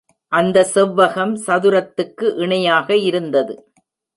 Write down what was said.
அந்தச் செவ்வகம் சதுரத்துக்கு இணையாக இருந்தது.